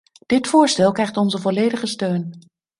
Dit voorstel krijgt onze volledige steun.